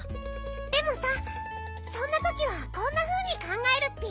でもさそんなときはこんなふうにかんがえるッピ。